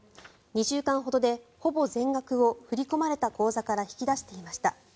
２週間ほどでほぼ全額を振り込まれた口座から引き出していました。